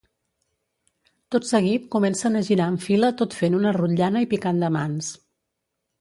Tot seguit comencen a girar en fila tot fent una rotllana i picant de mans.